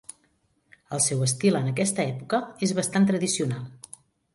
El seu estil en aquesta època és bastant tradicional.